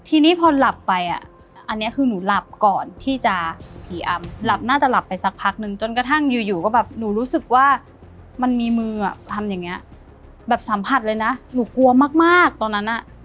อันนี้คือหนูหลับก่อนที่จะพีอำหลับน่าจะหลับไปสักพักหนึ่งจนกระทั่งอยู่ก็แบบหนูรู้สึกว่ามันมีมืออ่ะทำอย่างเงี้ยแบบสัมผัสเลยนะหนูกลัวมากตอนนั้นน่ะพยายามดินไม่ออก